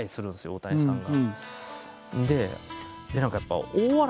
大谷さんが。